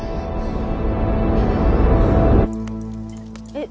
えっ